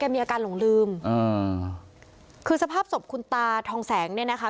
มีอาการหลงลืมอ่าคือสภาพศพคุณตาทองแสงเนี่ยนะคะ